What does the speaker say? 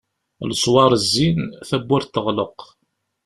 Leswar zzin, tawwurt teɣleq.